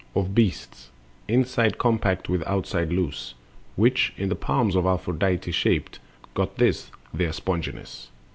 Of beasts, inside compact with outsides loose, Which, in the palms of Aphrodite shaped, Got this their sponginess.